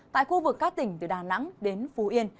tại khu vực các tỉnh từ đà nẵng đến phú yên